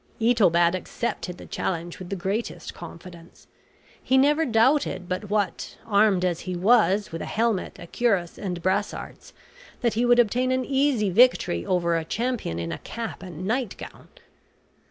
Itobad accepted the challenge with the greatest confidence. He never doubted but what, armed as he was, with a helmet, a cuirass, and brassarts, he would obtain an easy victory over a champion in a cap and nightgown.